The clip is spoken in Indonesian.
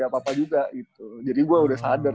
apa apa juga gitu jadi gue udah sadar